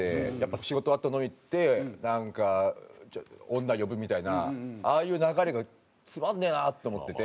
仕事終わったら飲み行ってなんか女呼ぶみたいなああいう流れがつまんねえなって思ってて。